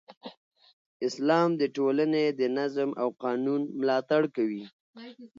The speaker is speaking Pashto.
اسلام د ټولنې د نظم او قانون ملاتړ کوي.